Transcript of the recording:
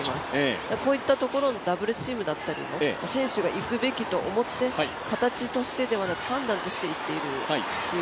こういったところのダブルチームだったりも選手がいくべきだと思って形としてではなく判断として行っているという